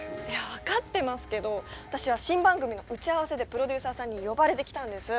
分かってますけど私は新番組の打ち合わせでプロデューサーさんに呼ばれて来たんです！